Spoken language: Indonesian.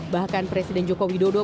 bahkan presiden jokowi dodo